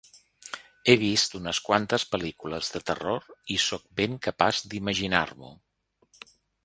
He vist unes quantes pel·lícules de terror i soc ben capaç d'imaginar-m'ho.